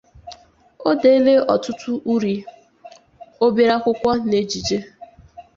O deela ọtụtụ uri, obere akụkọ na ejije.